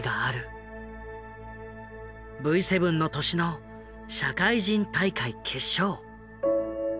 Ｖ７の年の社会人大会決勝。